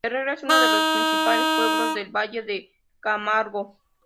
Herrera es uno de los principales pueblos del Valle de Camargo.